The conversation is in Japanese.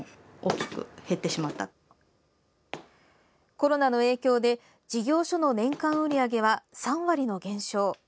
コロナの影響で事業所の年間売り上げは３割の減少。